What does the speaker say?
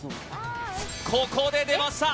ここで出ました